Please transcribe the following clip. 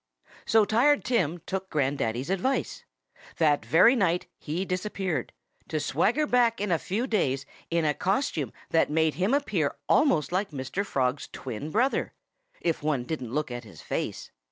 So Tired Tim took Grandaddy's advice. That very night he disappeared, to swagger back in a few days in a costume that made him appear almost like Mr. Frog's twin brother if one didn't look at his face.